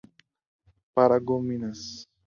Paragominas